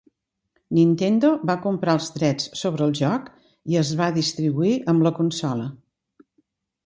Nintendo va comprar els drets sobre el joc, i es va distribuir amb la consola.